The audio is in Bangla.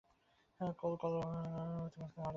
কোল্ব কল্পনা কোন অনুভূতির মাঝখানে তাহার হঠাৎ ছেদ পড়িয়ছিল?